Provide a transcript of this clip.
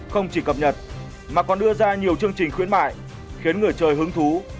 không chỉ cập nhật mà còn đưa ra nhiều chương trình khuyến mại khiến người chơi hứng thú